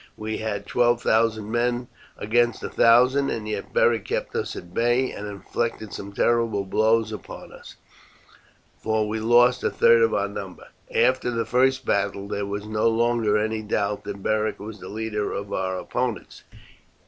We had twelve thousand men against a thousand, and yet Beric kept us at bay and inflicted some terrible blows upon us, for we lost a third of our number. After the first battle there was no longer any doubt that Beric was the leader of our opponents.